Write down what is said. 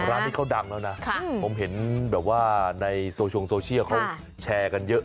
ร้านนี้เขาดังแล้วนะผมเห็นแบบว่าในโซชงโซเชียลเขาแชร์กันเยอะ